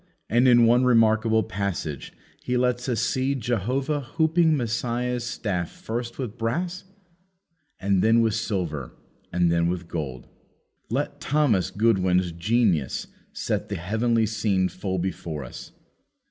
And in one remarkable passage he lets us see Jehovah hooping Messiah's staff first with brass, and then with silver, and then with gold. Let Thomas Goodwin's genius set the heavenly scene full before us.